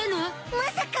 まさか。